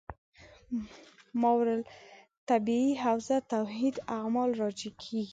ماورا الطبیعي حوزه توحید اعمال راجع کېږي.